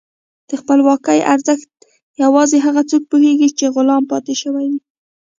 د خپلواکۍ ارزښت یوازې هغه څوک پوهېږي چې غلام پاتې شوي وي.